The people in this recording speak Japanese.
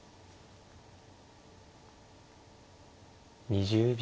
２０秒。